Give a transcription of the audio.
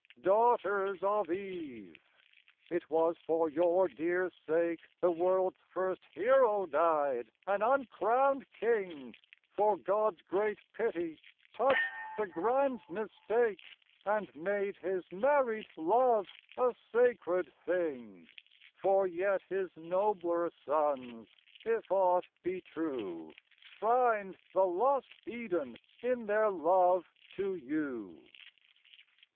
Daughters of Eve ! it was for your dear sake The world's first hero died an uncrowned king; For God's great pity touched the grand mistake, And made his married love a sacred thing: For yet his nobler sons, if aught be true, Find the lost Eden in their love to you.